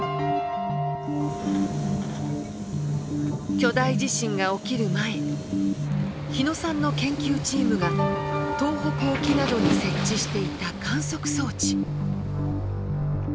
巨大地震が起きる前日野さんの研究チームが東北沖などに設置していた観測装置。